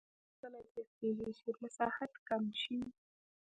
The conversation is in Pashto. فشار کله زیاتېږي چې مساحت کم شي.